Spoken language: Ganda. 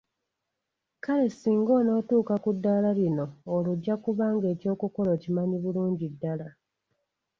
Kale singa onaatuuka ku ddaala lino olwo ojja kuba ng'ekyokukola okimanyi bulungi ddala.